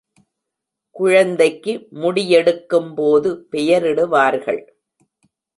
குழந்தைக்கு முடி யெடுக்கும்போது பெயரிடுவார்கள்.